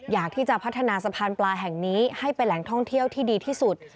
อยากที่จะพัฒนาสะพานปลาแห่งนี้ให้เป็นแหล่งท่องเที่ยวที่ดีที่สุด